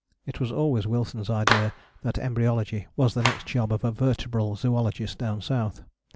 It was always Wilson's idea that embryology was the next job of a vertebral zoologist down south.